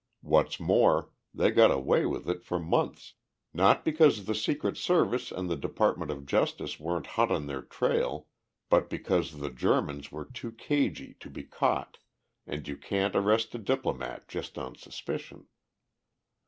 What's more, they got away with it for months, not because the Secret Service and the Department of Justice weren't hot on their trail, but because the Germans were too cagy to be caught and you can't arrest a diplomat just on suspicion.